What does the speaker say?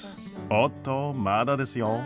おっとまだですよ。